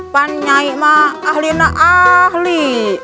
pak nyanyi mah ahli nah ahli